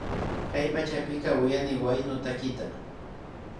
Kay pachapika uyakuni huyano takita